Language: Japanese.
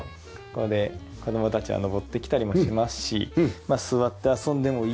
ここで子供たちが上ってきたりもしますしまあ座って遊んでもいいし。